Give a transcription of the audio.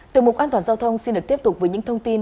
từ mục an toàn giao thông xin được tiếp tục với những thông tin